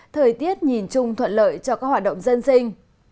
thời tiết nhìn chung thuận lợi cho các hoạt động dân sinh